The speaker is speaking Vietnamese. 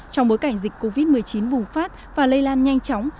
trong bối cảnh dịch covid một mươi chín bùng phát và lây lan nhanh chóng